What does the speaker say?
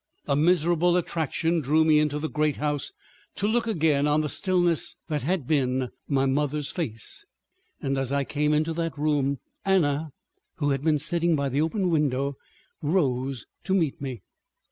A miserable attraction drew me into the great house to look again on the stillness that had been my mother's face, and as I came into that room, Anna, who had been sitting by the open window, rose to meet me.